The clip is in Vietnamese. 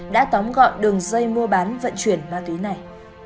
đã tóm gọn đường dây mua bán vận chuyển ma túy này